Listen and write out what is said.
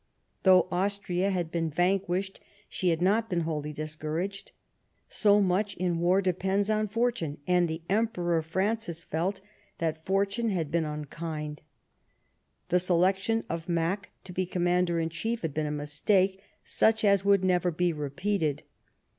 Though Austria had been vanquished, she had not been, wholly discouraged. So much, in war, depends on fortune, and the Emperor Francis felt that fortune had been unkind. The selection of Mack to be Commander in chief had been a mistake such as would never be repeated.